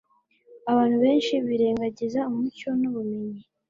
Abantu benshi birengagiza umucyo nubumenyi